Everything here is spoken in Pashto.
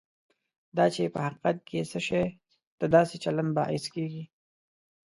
دا چې په حقیقت کې څه شی د داسې چلند باعث کېږي.